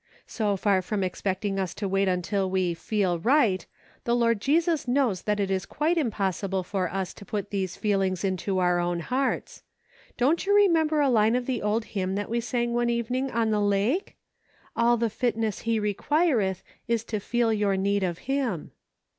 So far from expecting us to wait until we 'feel right,' the Lord Jesus knows that it is quite impossible for us to put these feelings into our own hearts. Don't you remember a line of "I WILL. 95 the old hymn that we sang one evening on the lake ? All the fitness he requireth Is to feel your need of Him.